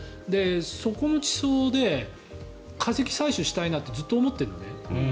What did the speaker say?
そこの地層で化石採取したいなってずっと思ってるのね。